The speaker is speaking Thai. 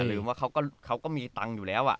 อย่าลืมว่าเขาก็มีตังค์อยู่แล้วอ่ะ